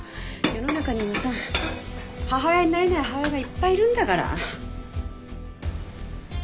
世の中にはさ母親になれない母親がいっぱいいるんだから。